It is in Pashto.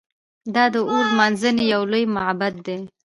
دا د اور لمانځنې یو لوی معبد و